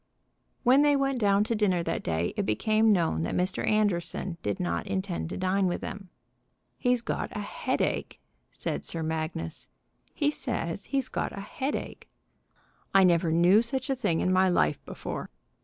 When they went down to dinner that day it became known that Mr. Anderson did not intend to dine with them. "He's got a headache," said Sir Magnus. "He says he's got a headache. I never knew such a thing in my life before."